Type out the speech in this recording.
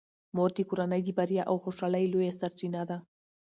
مور د کورنۍ د بریا او خوشحالۍ لویه سرچینه ده.